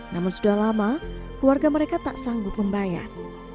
namun sudah lama keluarga mereka tak sanggup membayar